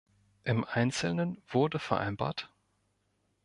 Im Einzelnen wurde vereinbart,